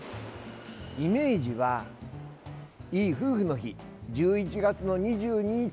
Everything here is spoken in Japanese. イメージは、いい夫婦の日１１月の２２日。